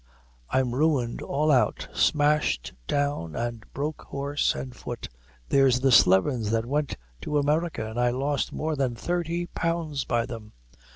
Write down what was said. _ I'm ruined all out smashed down and broke horse and foot; there's the Slevins that wint to America, an' I lost more than thirty pounds by them."